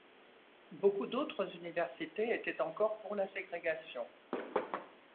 Beaucoup d'autres universités étaient encore pour la ségrégation.